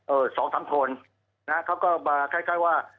เออสองทั้งคนนะเค้าก็มาคล้ายว่า